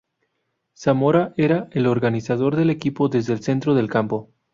Zamora era el organizador del equipo desde el centro del campo.